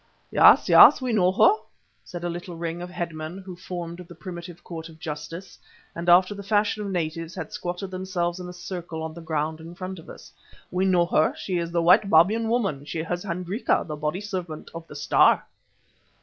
"Yes, yes, we know her," said a little ring of headmen, who formed the primitive court of justice, and after the fashion of natives had squatted themselves in a circle on the ground in front of us. "We know her, she is the white Babyan woman, she is Hendrika, the body servant of the Star."